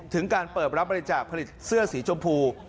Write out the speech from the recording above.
การเปิดรับบริจาคผลิตเสื้อสีชมพู